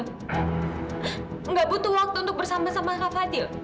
tidak butuh waktu untuk bersama sama kak fadil